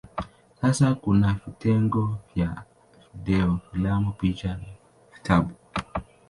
Sasa kuna vitengo vya video, filamu, picha na vitabu.